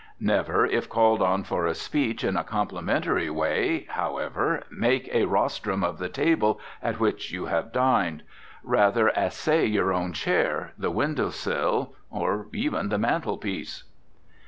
Never, if called on for a speech in a complimentary way, however, make a rostrum of the table at which you have dined. Rather essay your own chair, the window sill, or even the mantel piece.